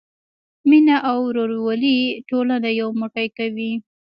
مینه او ورورولي ټولنه یو موټی کوي.